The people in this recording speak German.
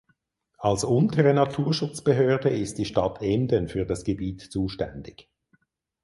Als untere Naturschutzbehörde ist die Stadt Emden für das Gebiet zuständig.